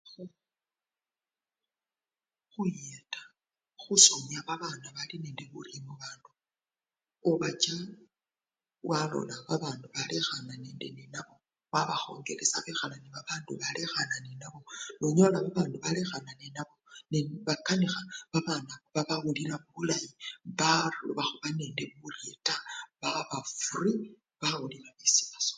Khuyeta khusomya babana bali nende buleme mubandu, obacha walola babandu balekhana nende nenabo wabakhongelesha bekhala nee babandu balekhana nenabo, nonyola babandu balekhana nenabo nebakanikha, babana babawulila bulayi baloba khuba nende burye taa baaba frii bawulila nishe basoma